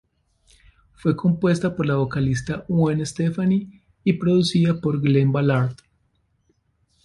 Fue compuesta por la vocalista Gwen Stefani y producida por Glen Ballard.